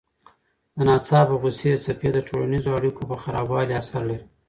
د ناڅاپه غوسې څپې د ټولنیزو اړیکو په خرابوالي اثر لري.